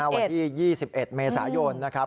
วันที่๒๑เมษายนนะครับ